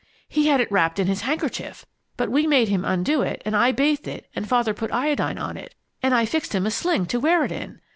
He had it wrapped in his handkerchief, but we made him undo it, and I bathed it and Father put iodine on, and I fixed him a sling to wear it in.